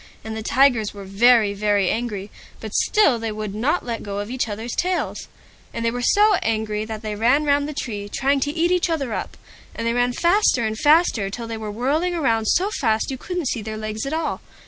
And the Tigers were very, very angry, but still they would not let go of each other's tails. And they were so angry, that they ran round the tree, trying to eat each other up, and they ran faster and faster, till they were whirling round so fast that you couldn't see their legs at all.